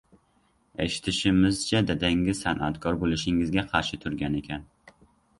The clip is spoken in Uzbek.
Eshitishimizcha, dadangiz san’atkor bo‘lishingizga qarshi turgan ekan?